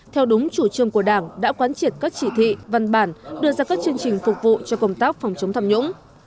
theo đúng chủ trương của đảng đã quán triệt các chỉ thị văn bản đưa ra các chương trình phục vụ cho công tác phòng chống tham nhũng